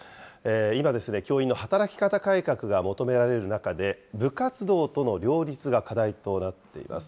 今ですね、教員の働き方改革が求められる中で、部活動との両立が課題となっています。